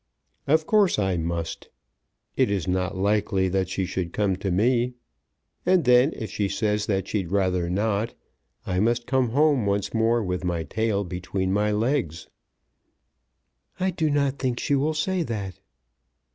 "Of course I must. It is not likely that she should come to me. And then if she says that she'd rather not, I must come home once more with my tail between my legs." "I do not think she will say that."